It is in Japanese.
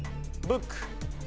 ブック。